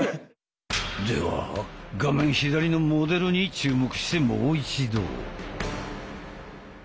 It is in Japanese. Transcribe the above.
では画面左のモデルに注目してもう一度。